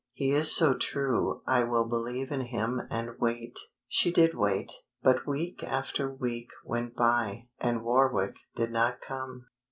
He is so true I will believe in him and wait." She did wait, but week after week went by and Warwick did not come.